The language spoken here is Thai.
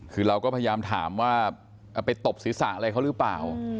คือเราก็พยายามถามว่าไปตบศีรษะอะไรเขาหรือเปล่า